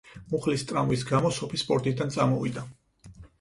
მუხლის ტრავმის გამო სოფი სპორტიდან წამოვიდა.